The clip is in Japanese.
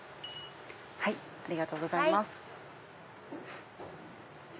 ありがとうございます。